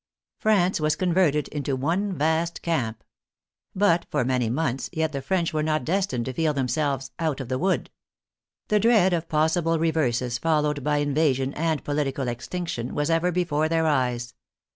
France was converted into one vast camp. But for many months yet the French were not destined to feel them selves " out of the wood." The dread of possible re verses followed by invasion and political extinction was ever before their eyes.